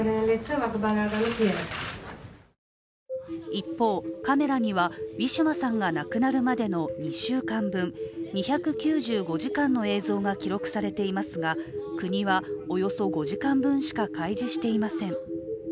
一方、カメラには、ウィシュマさんが亡くなるまでの２週間分２９５時間の映像が記録されていますが、国は、およそ５時間分しか開示していません。